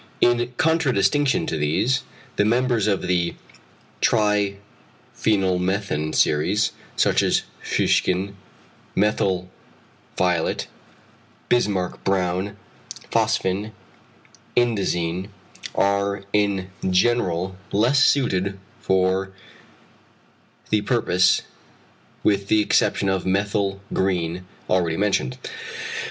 In contradistinction to these, the members of the triphenylmethan series, such as fuchsin, methyl violet, bismarck brown, phosphin, indazine, are in general less suited for the purpose, with the exception of methyl green already mentioned.